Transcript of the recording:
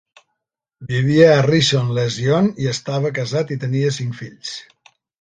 Vivia a Rishon LeZion i estava casat i tenia cinc fills.